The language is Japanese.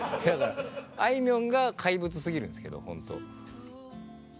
あいみょんが怪物すぎるんですけどほんと。